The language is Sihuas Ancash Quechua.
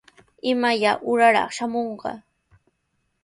¿Imaya uuraraq shamunqa?